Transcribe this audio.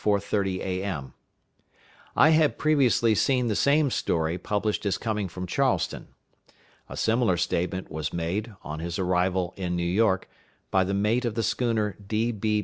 30 A.M. I had previously seen the same story published as coming from Charleston. A similar statement was made, on his arrival in New York, by the mate of the schooner _D.B.